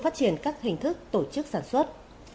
phát triển các hình thức tổ chức sản xuất